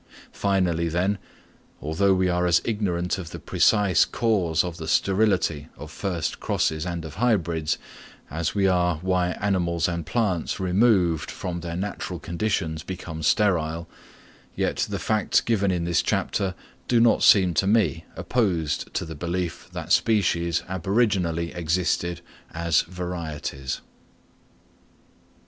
Finally, then, although we are as ignorant of the precise cause of the sterility of first crosses and of hybrids as we are why animals and plants removed from their natural conditions become sterile, yet the facts given in this chapter do not seem to me opposed to the belief that species aboriginally existed as varieties.